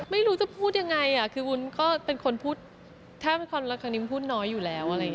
ไม่รู้จะพูดอย่างไรคือวุ้นก็เป็นคนพูดแทบเป็นคนละครนี้พูดน้อยอยู่แล้ว